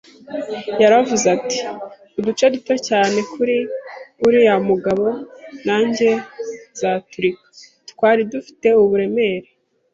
Yaravuze ati: “Uduce duto cyane kuri uriya mugabo, nanjye nzaturika.” Twari dufite uburemere